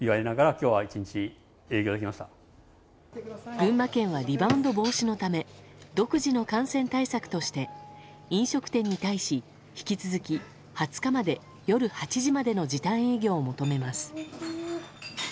群馬県はリバウンド防止のため独自の感染対策として飲食店に対し引き続き２０日まで夜８時までの時短営業を求めます。